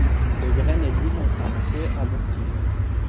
Les graines et l'huile ont un effet abortif.